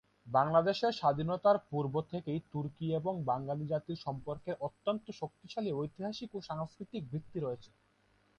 বাংলাদেশের স্বাধীনতার পূর্ব থেকেই তুর্কি এবং বাঙালি জাতির সম্পর্কের অত্যন্ত শক্তিশালী ঐতিহাসিক ও সাংস্কৃতিক ভিত্তি রয়েছে।